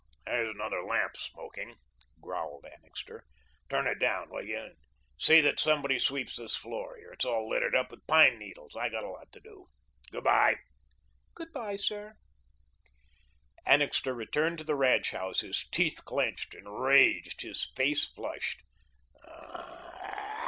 "There's another lamp smoking," growled Annixter. "Turn it down, will you? and see that somebody sweeps this floor here. It's all littered up with pine needles. I've got a lot to do. Good bye." "Good bye, sir." Annixter returned to the ranch house, his teeth clenched, enraged, his face flushed.